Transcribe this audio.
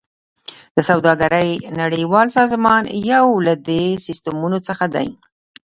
د سوداګرۍ نړیوال سازمان یو له دې سیستمونو څخه دی